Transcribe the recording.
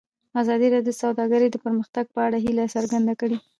ازادي راډیو د سوداګري د پرمختګ په اړه هیله څرګنده کړې.